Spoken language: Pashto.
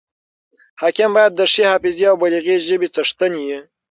حاکم باید د ښې حافظي او بلیغي ژبي څښتن يي.